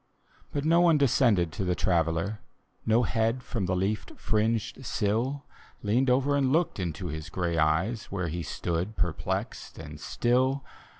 But no one descended to the Traveller; No head from the Icaf fringcd sill Leaned over and looked into his gray eyes, Where he stood perplexed and still.